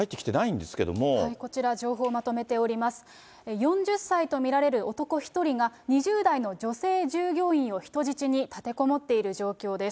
４０歳と見られる男１人が、２０代の女性従業員を人質に立てこもっている状況です。